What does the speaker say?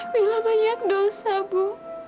mila banyak dosa bu